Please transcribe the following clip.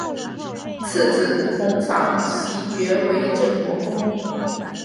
次子弘昉袭爵为镇国公。